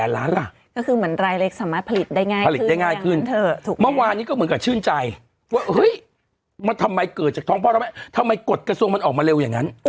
ร้านนะก็คือเหมือนรายเลขสมาธิผลิตได้ไงรี่ง่ายเกินเถอะต่อเมื่ออันนี้ควรก็สิไหวมันเกิดจากพ่อได้ทำไมกดกระชวงกันออกมาเร็วอย่างนั้น